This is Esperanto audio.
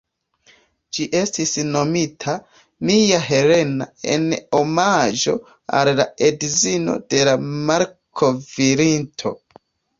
Ĝi estis nomita ""Mia Helena"" en omaĝo al la edzino de la malkovrinto.